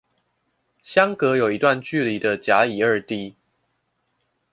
相隔有一段距離的甲乙二地